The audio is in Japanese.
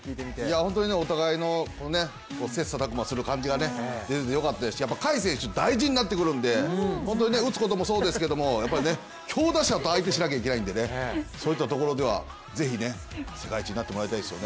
本当にお互いの切磋琢磨する感じが出るんでよかったですし、甲斐選手大事になってくるので本当に打つこともそうですけれども、強打者と相手しなきゃいけないんで、そういったところではぜひね世界一になってもらいたいですよね。